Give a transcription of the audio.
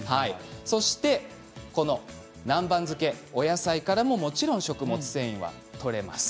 そして、この南蛮漬け、お野菜からももちろん食物繊維がとれます。